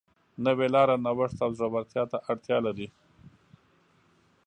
نوې لاره نوښت او زړهورتیا ته اړتیا لري.